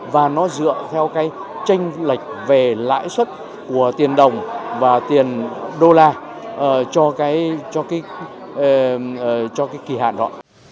và nó dựa theo cái tranh lệch về lãi suất của tiền đồng và tiền đô la cho cái kỳ hạn đó